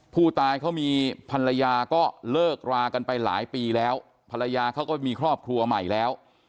ผู้ตายเขามีภรรยาก็เลิกรากันไปหลายปีแล้วภรรยาเขาก็มีครอบครัวใหม่แล้ว